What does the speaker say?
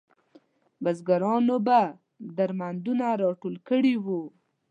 بزګرانو به درمندونه راټول کړي وو.